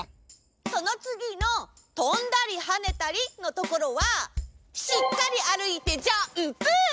そのつぎの「とんだりはねたり」のところはしっかりあるいてジャンプ！